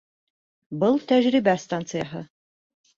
Был тәжрибә станцияһы